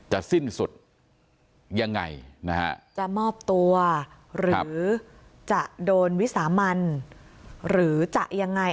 สิ้นสุดยังไงนะฮะจะมอบตัวหรือจะโดนวิสามันหรือจะยังไง